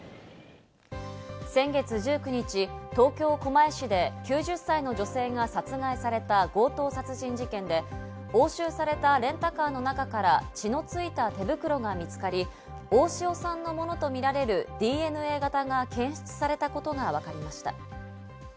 先月１９日、東京・狛江市で９０歳の女性が殺害された強盗殺人事件で、押収されたレンタカーの中から血のついた手袋が見つかり、大塩さんのものとみられるＤＮＡ型が検出されたことがわかりました。